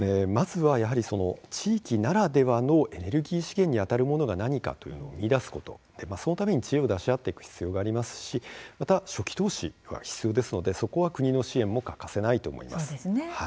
まずはその地域ならではのエネルギー資源にあたるものが何かを見いだすこと、そのために知恵を出し合っていく必要がありますし、また初期投資は必要ですので、そこは国の支援も欠かせないと思います。